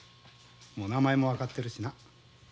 もう名前も分かってるしな。